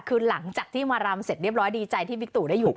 คือหลังจากที่มารำเสร็จเรียบร้อยดีใจที่บิ๊กตูได้อยู่กัน